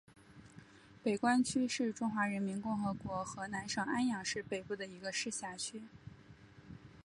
北关区是中华人民共和国河南省安阳市北部一个市辖区。